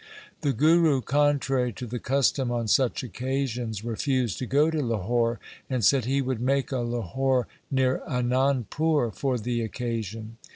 The Guru, contrary to the custom on such occasions, refused to go to Lahore, and said he would make a Lahore near Anandpur for the occa sion.